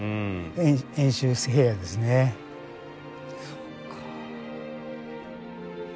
そっか。